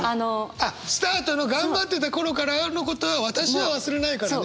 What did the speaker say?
スタートの頑張ってた頃からのことは私は忘れないからね。